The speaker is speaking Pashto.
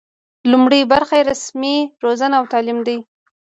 لومړۍ برخه یې رسمي روزنه او تعلیم دی.